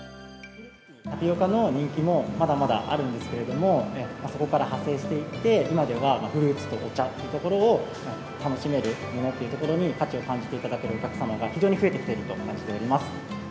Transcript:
タピオカの人気もまだまだあるんですけれども、そこから派生していって、今ではフルーツとお茶というところを楽しめるようになっているところに価値を感じていただけるお客様が非常に増えてきていると感